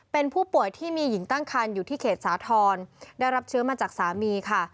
เป็นผู้ป่วยที่มีหญิงตั้งคันอยู่ที่เขตสาธรณ์ได้รับเชื้อมาจากสามีค่ะ